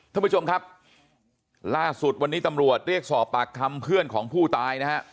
ท่านผู้ชมครับล่าสุดวันนี้ตำรวจเรียกสอบปากคำเพื่อนของผู้ตายนะฮะ